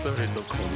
この